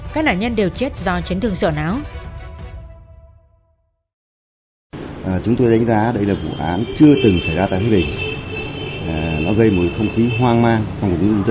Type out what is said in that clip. các nạn nhân đều chết do chấn thương sỏ não